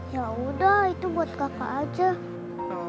ya udah itu buat kakak aja